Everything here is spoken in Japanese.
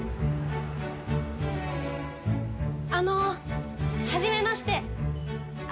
あのはじめまして。